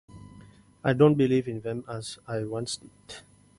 I don't believe in them as I once did.